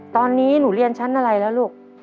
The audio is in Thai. ตอนนี้หนูเรียนชั้นอะไรแล้วลูก